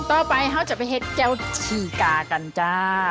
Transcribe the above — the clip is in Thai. ต่อไปเขาจะไปเห็ดแก้วชีกากันจ้า